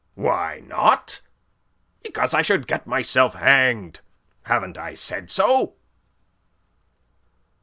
"Why not? Because I should get myself hanged. Haven't I said so?"